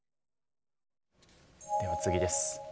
では次です。